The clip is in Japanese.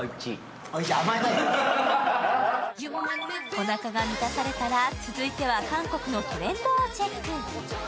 おなかが満たされたら、続いては韓国のトレンドをチェック。